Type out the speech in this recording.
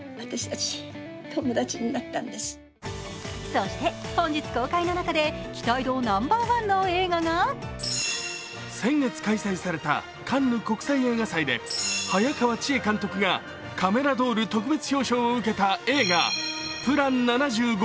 そして本日公開の中で期待度ナンバーワンの映画が先月、開催されたカンヌ国際映画祭で早川千絵監督がカメラドール特別表彰を受けた映画「ＰＬＡＮ７５」。